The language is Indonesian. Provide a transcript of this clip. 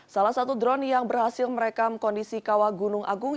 salah satu drone yang berhasil merekam kondisi kawah gunung agung